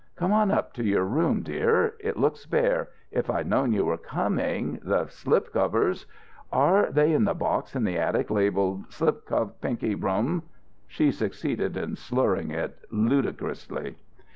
Come on up to your room, dear. It looks bare. If I'd known you were coming the slip covers " "Are they in the box in the attic labeled 'Slp Cov Pinky Rum'?" She succeeded in slurring it ludicrously.